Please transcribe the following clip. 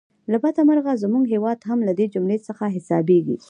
له بده مرغه زموږ هیواد هم له دې جملې څخه حسابېږي.